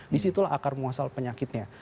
disitulah akar muasal penyakitnya